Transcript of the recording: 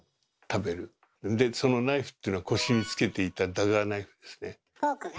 そのナイフというのは腰につけていたダガーナイフですね。